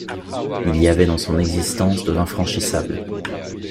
Il y avait dans son existence de l’infranchissable.